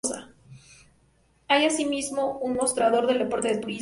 Hay así mismo un mostrador del deporte de turismo.